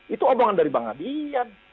itu omongan dari bang adian